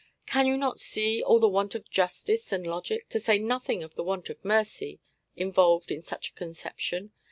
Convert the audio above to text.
Can you not see all the want of justice and logic, to say nothing of the want of mercy, involved in such a conception?